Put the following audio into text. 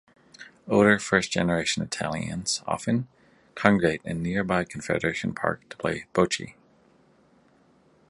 Older, first-generation Italians often congregate in nearby Confederation Park to play Bocce.